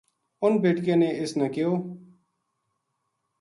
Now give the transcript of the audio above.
اُنھ بیٹکیاں نے اِس نا کہیو